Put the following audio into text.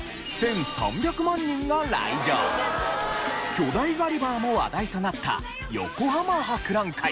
巨大ガリバーも話題となった横浜博覧会。